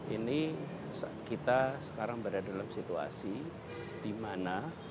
ini kita sekarang berada dalam situasi di mana